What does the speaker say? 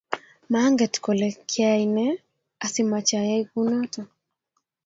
manget kole kaine asimache ayay kunoto